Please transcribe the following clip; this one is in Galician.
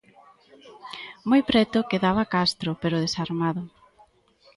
Moi preto quedaba Castro, pero desarmado.